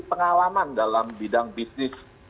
pengalaman dalam bidang bisnis